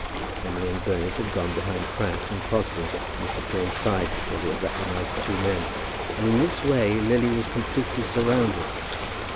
Emily and Bernard had gone behind Pratt and Crosbie to Mrs. Thorne's side before they had recognized the two men; and in this way Lily was completely surrounded.